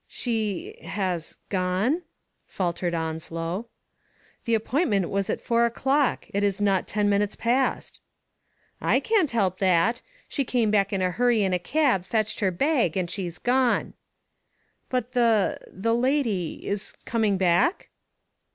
"She — has — gone?" faltered Onslow. 'The appointment was at four o*clock. It is not ten minutes past.'* "I can*t help that. She came back in a hurry in a cab, fetched her bag, and she*s gone.*' "But the — the lady — is coming back?'